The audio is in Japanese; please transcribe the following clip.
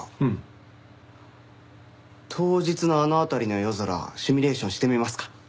当日のあの辺りの夜空シミュレーションしてみますか？